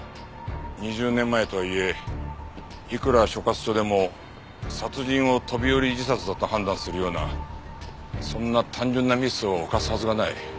２０年前とはいえいくら所轄署でも殺人を飛び降り自殺だと判断するようなそんな単純なミスを犯すはずがない。